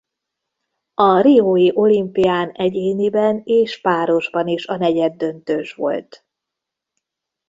A riói olimpián egyéniben és párosban is a negyeddöntős volt.